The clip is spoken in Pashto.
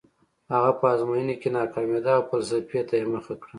هغه په ازموینو کې ناکامېده او فلسفې ته یې مخه کړه